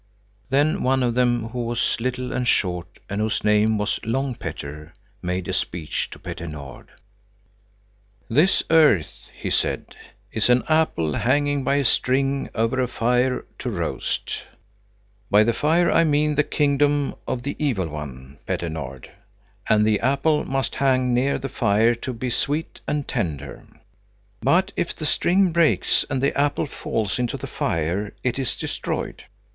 Then one of them who was little and short, and whose name was Long Petter, made a speech to Petter Nord. "This earth," he said, is an apple hanging by a string over a fire to roast. By the fire I mean the kingdom of the evil one, Petter Nord, and the apple must hang near the fire to be sweet and tender; but if the string breaks and the apple falls into the fire, it is destroyed.